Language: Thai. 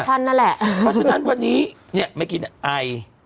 เพราะฉะนั้นวันนี้เนี่ย